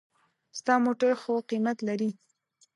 ستا موټر خو قېمت لري.